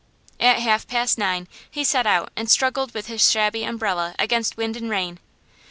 At half past nine he set out and struggled with his shabby umbrella against wind and rain.